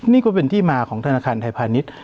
นี่ก็เป็นที่มาของธนาคารไทยพาณิชย์